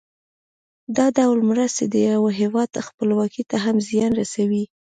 دا ډول مرستې د یو هېواد خپلواکۍ ته هم زیان رسوي.